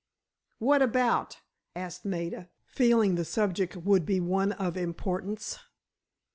"What about?" asked Maida, feeling the subject would be one of importance.